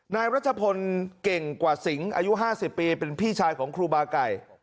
นายรัชพลเก่งกว่าสิงอายุ๕๐ปีเป็นพี่ชายของครูบาไก่